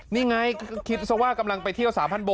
นี่ไงคิดสว่ากำลังไปเที่ยวซาพันธ์โบก